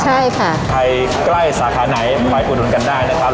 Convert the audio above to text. ใช่ค่ะใครใกล้สาขาไหนไปอุดหนุนกันได้นะครับ